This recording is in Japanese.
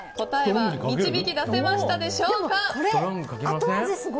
答えは導き出せたでしょうか。